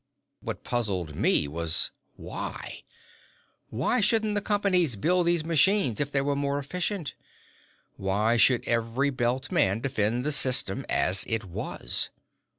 What puzzled me was: Why? Why shouldn't the Companies build these machines if they were more efficient? Why should every Belt man defend the system as it was?